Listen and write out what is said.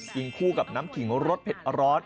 คู่กับน้ำขิงรสเผ็ดร้อน